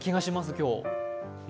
今日。